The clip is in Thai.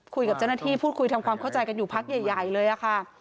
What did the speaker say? คุยกับเจ้าหน้าที่พูดคุยทำความเข้าใจกันอยู่พักใหญ่เลยค่ะ